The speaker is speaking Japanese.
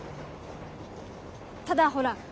ただほら